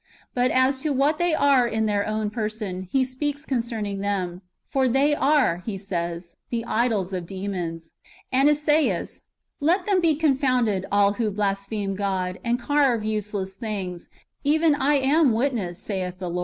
But as to what they are in their own person, he speaks concerning them ;" for they are," he says, " the idols of demons." And Esaias :" Let them be confounded, all who blaspheme God, and carve useless things;^ even I am witness, saith God."